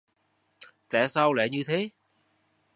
tại sao lại như thế